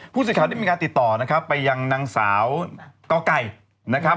ผู้สิทธิ์ข่าวนี้มีการติดต่อไปยังนางสาวก๊อก่าย